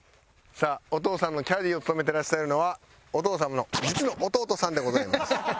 さあお父さんのキャディーを務めてらっしゃるのはお父さんの実の弟さんでございます。